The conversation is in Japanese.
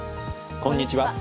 こんにちは。